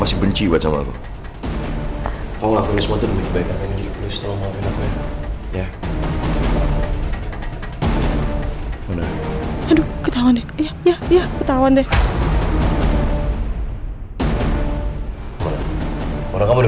bi tolong bantuin aku sekali aja bi